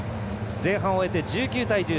前半を終えて１９対１０。